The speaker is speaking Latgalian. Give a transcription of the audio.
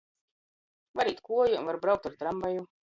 Var īt kuojom, var braukt ar tramvaju.